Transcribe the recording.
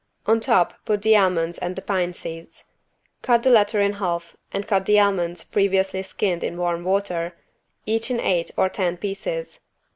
On top put the almonds and the pine seeds. Cut the latter in half and cut the almonds, previously skinned in warm water, each in eight or ten pieces.